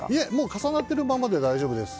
重なっているままで大丈夫です。